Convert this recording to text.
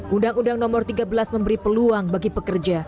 undang undang nomor tiga belas memberi peluang bagi pekerja